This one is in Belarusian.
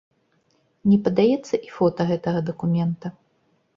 Не падаецца і фота гэтага дакумента.